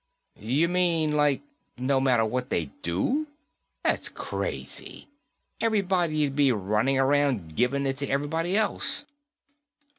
"You mean, like, no matter what they do? That's crazy. Everybody'd be running around giving it to everybody else."